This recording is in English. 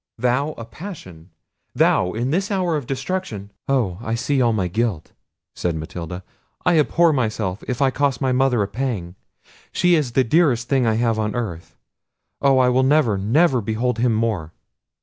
Thou, a passion? Thou, in this hour of destruction—" "Oh! I see all my guilt!" said Matilda. "I abhor myself, if I cost my mother a pang. She is the dearest thing I have on earth—Oh! I will never, never behold him more!"